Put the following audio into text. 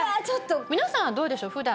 ちょっと皆さんはどうでしょう？